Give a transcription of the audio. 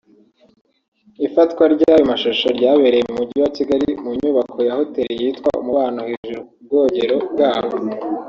Ifatwa ryayo mashusho ryabereye mu mujyi wa Kigali mu nyubako ya Hotel yitwa Umubano hejuru ku bwogero bwaho